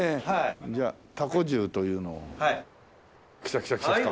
じゃあたこ重というのを。来た来た来た来た！